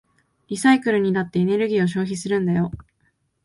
リサイクルにだってエネルギーを消費するんだよ。